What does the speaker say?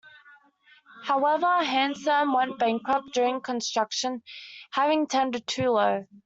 However, Hansom went bankrupt during construction, having tendered too low.